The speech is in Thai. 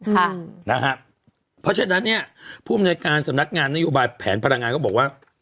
เพราะฉะนั้นเนี่ยผู้อำนวยการสำนักงานนโยบายแผนพลังงานก็บอกว่า